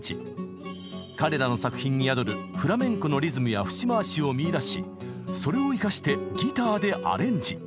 彼らの作品に宿るフラメンコのリズムや節回しを見いだしそれを生かしてギターでアレンジ。